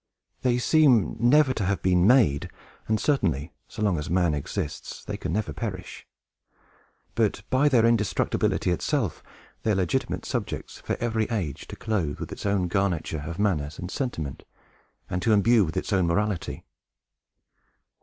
They seem never to have been made; and certainly, so long as man exists, they can never perish; but, by their indestructibility itself, they are legitimate subjects for every age to clothe with its own garniture of manners and sentiment, and to imbue with its own morality.